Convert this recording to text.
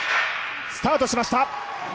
スタートしました。